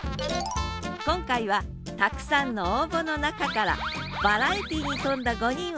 今回はたくさんの応募の中からバラエティーに富んだ５人を選出。